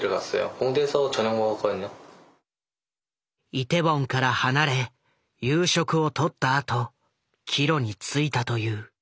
イテウォンから離れ夕食をとったあと帰路についたという。